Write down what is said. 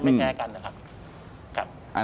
ไม่แพ้กันนะครับ